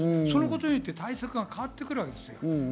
それによって対策が変わってくるわけですよ。